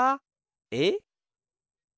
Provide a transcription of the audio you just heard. えっ？